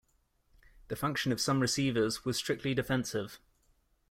The function of some receivers was strictly defensive.